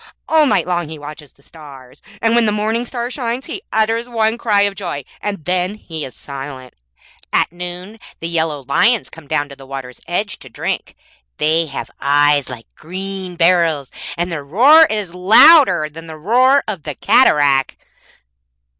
All night long he watches the stars, and when the morning star shines he utters one cry of joy, and then he is silent. At noon the yellow lions come down to the water's edge to drink. They have eyes like green beryls, and their roar is louder than the roar of the cataract.'